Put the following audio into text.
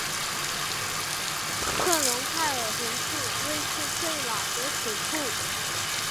克隆泰尔湖是瑞士最老的水库。